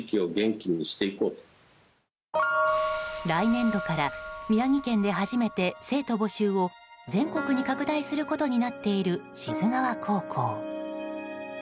来年度から宮城県で初めて生徒募集を全国に拡大することになっている志津川高校。